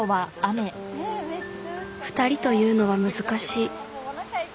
２人というのは難しい